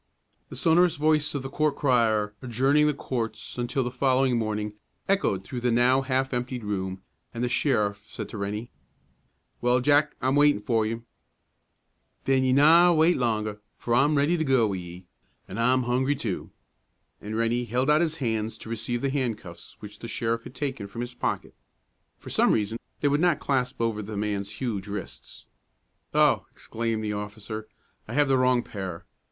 The sonorous voice of the court crier, adjourning the courts until the following morning, echoed through the now half emptied room, and the sheriff said to Rennie, "Well, Jack, I'm waiting for you." "Then ye need na wait longer, for I'm ready to go wi' ye, an' I'm hungry too." And Rennie held out his hands to receive the handcuffs which the sheriff had taken from his pocket. For some reason, they would not clasp over the man's huge wrists. "Oh!" exclaimed the officer, "I have the wrong pair.